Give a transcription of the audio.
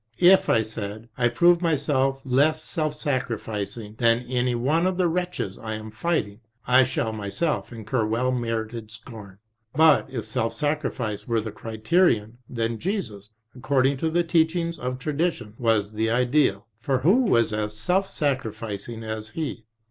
If, I said, I prove myself less self sacrificing than any one of the wretches I am fighting, I shall myself incur well merited scorn. But if self sacrifice were the criterion, then Jesus, according to the teachings of tradition, was the Ideal, for who as self sacrificing as He